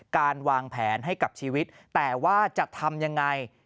การวางแผนให้กับชีวิตแต่ว่าจะทำยังไง